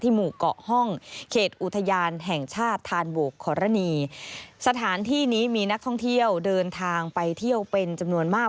หมู่เกาะห้องเขตอุทยานแห่งชาติธานโบกขอรณีสถานที่นี้มีนักท่องเที่ยวเดินทางไปเที่ยวเป็นจำนวนมาก